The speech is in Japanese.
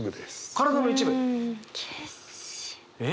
体の一部か。